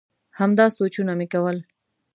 همدا سوچونه مي کول ؟